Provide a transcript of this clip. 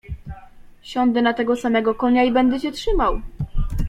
Siądę na tego samego konia i będę cię trzymał.